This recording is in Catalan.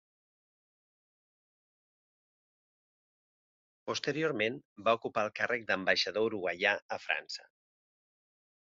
Posteriorment va ocupar el càrrec d'ambaixador uruguaià a França.